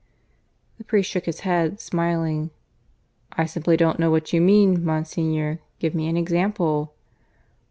The priest shook his head, smiling. "I simply don't know what you mean, Monsignor. Give me an example."